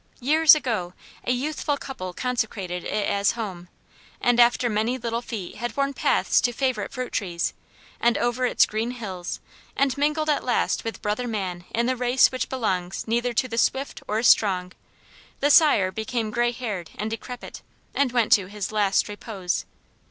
Years ago a youthful couple consecrated it as home; and after many little feet had worn paths to favorite fruit trees, and over its green hills, and mingled at last with brother man in the race which belongs neither to the swift or strong, the sire became grey haired and decrepit, and went to his last repose.